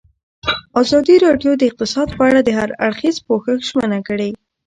ازادي راډیو د اقتصاد په اړه د هر اړخیز پوښښ ژمنه کړې.